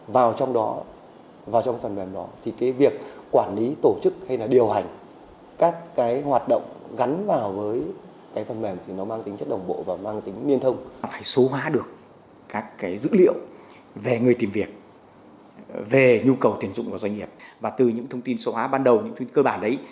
và từ những thông tin số hóa ban đầu những thông tin cơ bản đấy